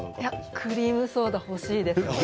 クリームソーダ欲しいです。